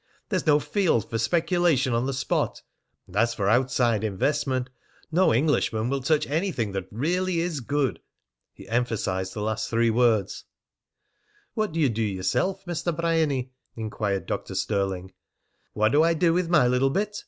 There's no field for speculation on the spot, and as for outside investment, no Englishman will touch anything that really is good." He emphasised the last three words. "What d'ye do yeself, Mr. Bryany?" inquired Dr. Stirling. "What do I do with my little bit?"